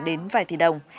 đến vài tỷ đồng